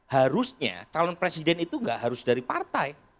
harusnya calon presiden itu gak harus dari partai